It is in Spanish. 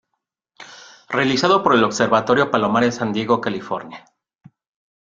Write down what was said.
Realizado por el Observatorio Palomar en San Diego, California.